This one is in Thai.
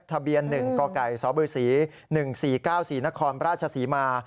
ทะเบียน๑กกสบศ๑๔๙๔นครราชศรีมา